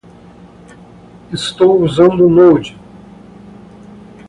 Estou usando Node.